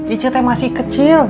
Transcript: ijeng masih kecil